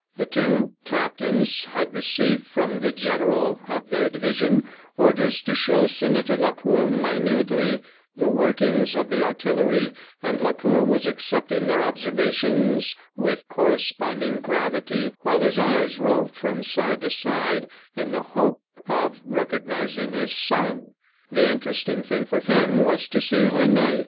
The two captains had received from the general of their division orders to show Senator Lacour minutely the workings of the artillery, and Lacour was accepting their observations with corresponding gravity while his eyes roved from side to side in the hope of recognizing his son. The interesting thing for him was to see Rene .